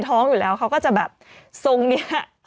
ท้องท้อง๑๐๘๐เป็นไงบ้างใหญ่ไหม